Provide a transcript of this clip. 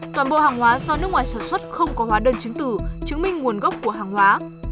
toàn bộ hàng hóa do nước ngoài sản xuất không có hóa đơn chứng tử chứng minh nguồn gốc của hàng hóa